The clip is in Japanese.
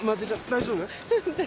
大丈夫。